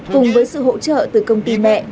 cùng với sự hỗ trợ từ công ty mẹ